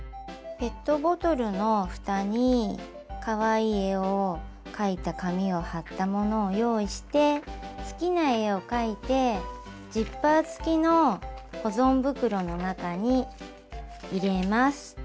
ペットボトルのふたにかわいい絵を描いた紙を貼ったものを用意して好きな絵を描いてジッパー付きの保存袋の中に入れます。